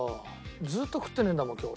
ずっと食ってねえんだもん今日俺。